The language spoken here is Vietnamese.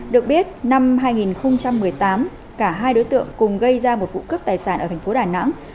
được biết năm hai nghìn một mươi tám cả hai đối tượng cùng gây ra một vụ cướp tài sản ở thành phố đà nẵng